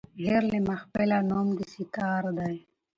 هېر له محفله نوم د سیتار دی